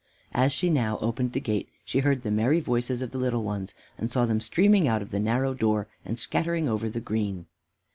As she now opened the gate, she heard the merry voices of the little ones, and saw them streaming out of the narrow door and scattering over the green.